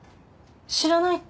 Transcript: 知らないって。